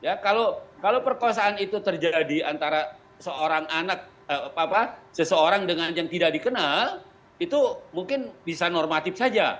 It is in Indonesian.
ya kalau perkosaan itu terjadi antara seorang anak seseorang dengan yang tidak dikenal itu mungkin bisa normatif saja